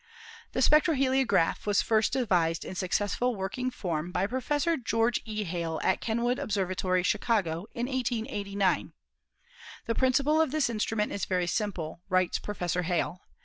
98 ASTRONOMY The spectroheliograph was first devised in successful working form by Prof. George E. Hale at Kenwood Ob servatory, Chicago, in 1889. 'The principle of this instru ment is very simple," writes Professor Hale.